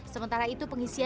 sementara itu pengisiannya